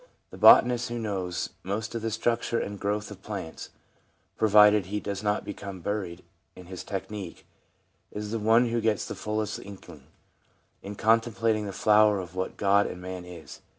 The botanist who knows most of the structure and growth of plants, provided he does not become buried in his technique, is the one who gets the fullest inkling, in contemplating the flower, of what ' God and man is.'